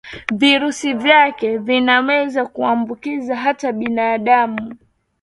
virusi vyake vinaweza kuambukiza hata binadamu